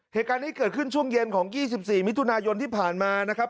เหตุการณ์นี้เกิดขึ้นช่วงเย็นของ๒๔มิถุนายนที่ผ่านมานะครับ